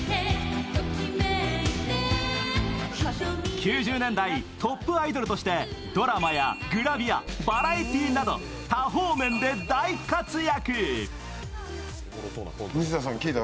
９０年代トップアイドルとしてドラマやグラビア、バラエティーなど多方面で大活躍。